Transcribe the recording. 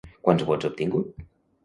Quants vots ha obtingut?